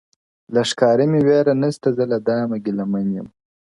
• له ښکاري مي وېره نسته زه له دامه ګیله من یم -